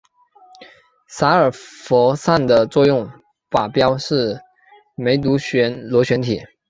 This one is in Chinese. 洒尔佛散的作用靶标是梅毒螺旋体。